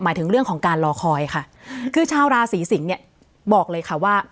ถึงเรื่องของการรอคอยค่ะคือชาวราศีสิงศ์เนี่ยบอกเลยค่ะว่า